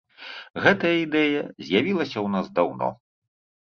Гэтая ідэя з'явілася ў нас даўно.